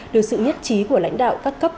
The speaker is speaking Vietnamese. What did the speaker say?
được sự nhất trí của lãnh đạo phát cấp